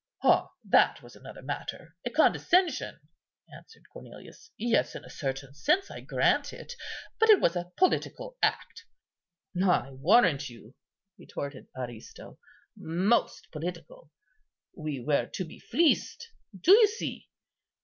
"Ah! that was another matter—a condescension," answered Cornelius. "Yes, in a certain sense, I grant it; but it was a political act." "I warrant you," retorted Aristo, "most political. We were to be fleeced, do you see?